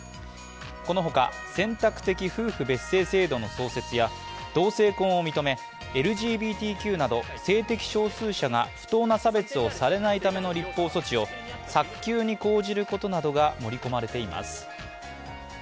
このほか、選択的夫婦別姓制度の創設や同性婚を認め、ＬＧＢＴＱなど性的少数者が不当な差別をされないための立法措置を早急に講じることなどが盛り込まれています。